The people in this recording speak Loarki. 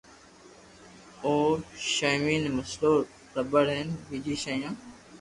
او ݾيوين مون پيسلو رٻڙ ھين ٻجي ݾيون